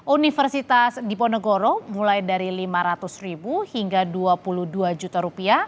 universitas diponegoro mulai dari rp lima ratus ribu hingga rp dua puluh dua juta